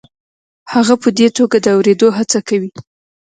هغه په دې توګه د اورېدو هڅه کوي.